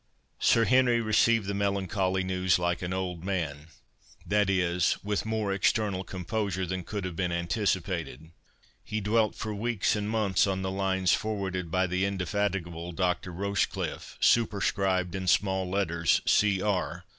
Sir Henry received the melancholy news like an old man, that is, with more external composure than could have been anticipated. He dwelt for weeks and months on the lines forwarded by the indefatigable Dr. Rochecliffe, superscribed in small letters, C. R.